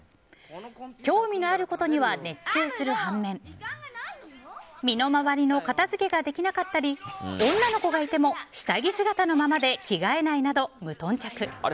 興味のあることには熱中する反面身の回りの片付けができなかったり女の子がいても下着姿のままで着替えないなど無頓着。